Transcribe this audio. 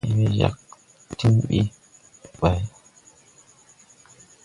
Tẽg we jag tiŋ ti ɓay.